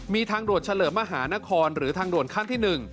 มีทางด่วนเฉลิมมหานครหรือทางด่วนขั้นที่๑